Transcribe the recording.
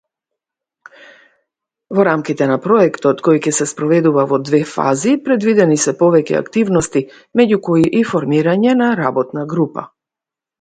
Seven cyclists from Italy competed in one event, winning no medals.